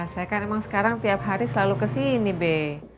saya kan emang sekarang tiap hari selalu kesini be